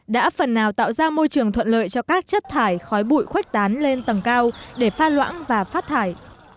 đã phần nào tạo ra môi trường thuận lợi cho các chất thải khói bụi khuếch tán lên tầng cao để pha loãng và phát thải